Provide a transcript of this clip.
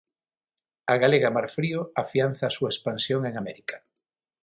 A galega Marfrío afianza a súa expansión en América.